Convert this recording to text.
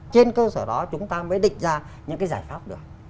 trên cơ sở đó chúng ta mới định ra những cái giải pháp được